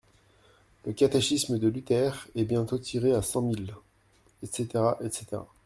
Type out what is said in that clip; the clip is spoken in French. Le catéchisme de Luther est bientôt tiré à cent mille, etc., etc.